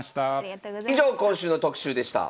以上今週の特集でした。